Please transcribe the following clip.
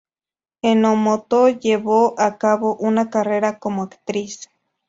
Enomoto llevó a cabo una carrera como actriz.